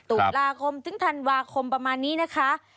ตุลาคมธรรมดาคมประมาณนี้นะคะ